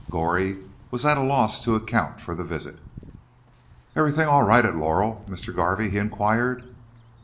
Goree was at a loss to account for the visit. "Everything all right at Laurel, Mr. Garvey?" he inquired.